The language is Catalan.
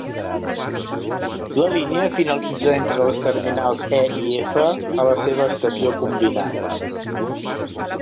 La línia finalitza entre les terminals E i F a la seva estació combinada.